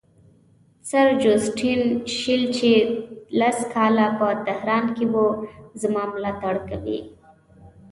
سر جوسټین شیل چې لس کاله په تهران کې وو زما ملاتړ کوي.